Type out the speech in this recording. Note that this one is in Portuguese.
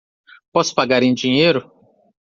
Posso pagar em dinheiro?